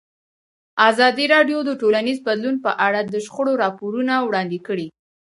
ازادي راډیو د ټولنیز بدلون په اړه د شخړو راپورونه وړاندې کړي.